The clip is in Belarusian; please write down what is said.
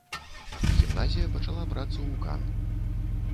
Гімназія пачала працу ў кан.